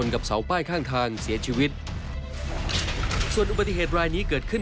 กับเสาป้ายข้างทางเสียชีวิตส่วนอุบัติเหตุรายนี้เกิดขึ้น